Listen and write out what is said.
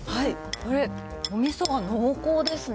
これ、おみそが濃厚ですね。